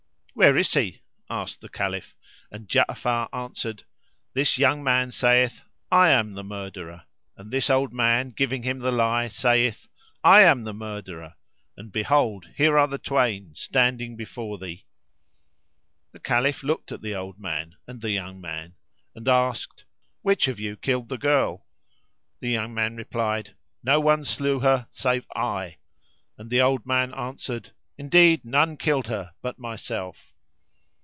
"Where is he?" asked the Caliph and Ja'afar answered, "This young man saith, I am the murderer, and this old man giving him the lie saith, I am the murderer, and behold, here are the twain standing before thee." The Caliph looked at the old man and the young man and asked, "Which of you killed the girl?" The young man replied, "No one slew her save I;" and the old man answered, "Indeed none killed her but myself."